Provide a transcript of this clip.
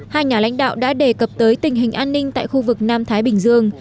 hai nhà lãnh đạo đã đề cập tới tình hình an ninh tại khu vực nam thái bình dương